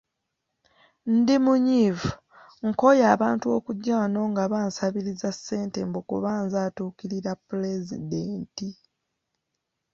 Ndi munyiivu, nkooye abantu okujja wano nga bansabiriza ssente mbu kuba nze atuukirira pulezidenti.